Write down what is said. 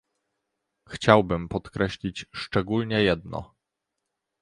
Chciałbym podkreślić szczególnie jedno